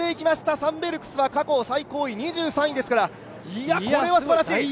サンベルクスは過去最高位２９位ですからこれはすばらしい。